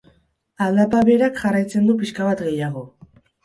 Aldapa beherak jarraitzen du pixka bat gehiago.